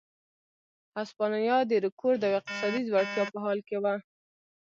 هسپانیا د رکود او اقتصادي ځوړتیا په حال کې وه.